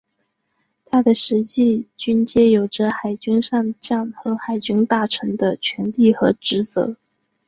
他的实际军阶有着海军上将和海军大臣的权力和职责。